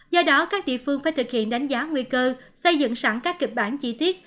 do đó các địa phương phải thực hiện đánh giá nguy cơ xây dựng sẵn các kịch bản chi tiết